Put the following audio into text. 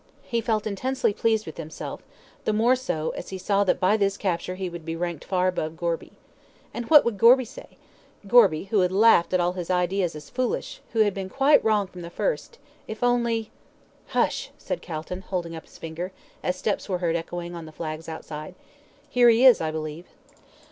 He felt intensely pleased with himself, the more so, as he saw that by this capture he would be ranked far above Gorby. "And what would Gorby say? Gorby, who had laughed at all his ideas as foolish, and who had been quite wrong from the first. If only " "Hush!" said Calton, holding up his finger, as steps were heard echoing on the flags outside. "Here he is, I believe."